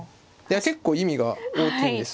結構意味が大きいんですよ。